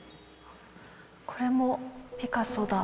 これもピカソだ。